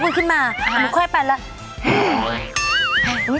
ยกมือขึ้นมาอ่าหมูค่อยไปล์ละในปึ๊บ